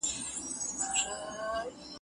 د رنګونو منشور ړنګ شو په روان کې